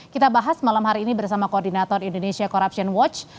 kita bahas malam hari ini bersama koordinator indonesia corruption watch